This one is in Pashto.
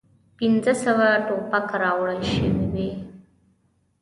پنځه سوه توپک راوړل سوي وې.